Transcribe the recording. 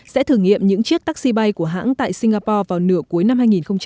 sẽ thử nghiệm những chiếc taxi bay của hãng tại singapore vào nửa cuối năm hai nghìn hai mươi